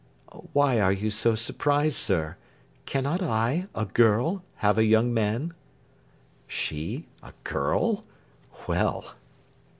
"Why are you so surprised, sir? Cannot I, a girl, have a young man?" She? A girl? Well!